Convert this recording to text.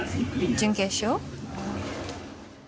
準決勝？